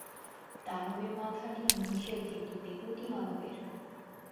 দানবের মাথাটি মহিষের কিন্তু দেহটি মানবের।